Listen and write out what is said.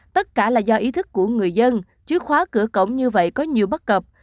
tất cả là do ý thức của người dân chứ khóa cửa cổng như vậy có nhiều bất cập